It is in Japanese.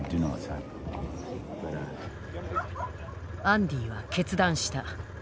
アンディは決断した。